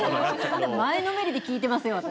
前のめりで聞いてますよ私。